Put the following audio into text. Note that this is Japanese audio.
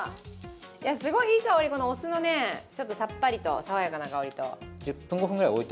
すごいいい香り、お酢のさっぱり、爽やかな香りと。